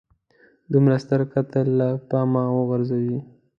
دومره ستر قتل له پامه وغورځوي.